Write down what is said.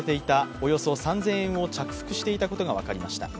およそ３０００円を着服していたことが分かりました。